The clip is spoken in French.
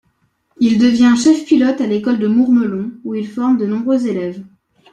Il devient chef pilote à l'école de Mourmelon où il forme de nombreux élèves.